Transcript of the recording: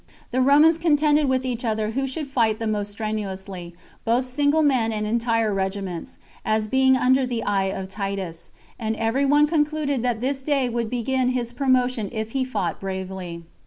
The Romans contended with each other who should fight the most strenuously, both single men and entire regiments, as being under the eye of Titus; and every one concluded that this day would begin his promotion if he fought bravely.